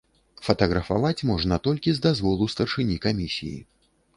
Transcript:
Фатаграфаваць можна толькі з дазволу старшыні камісіі.